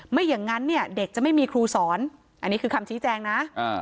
ไม่อย่างนั้นเนี่ยเด็กจะไม่มีครูสอนอันนี้คือคำชี้แจงนะ